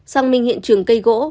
sang minh hiện trường cây gỗ